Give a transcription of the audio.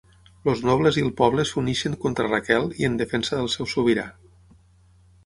Els nobles i el poble s'uneixen contra Raquel i en defensa del seu sobirà.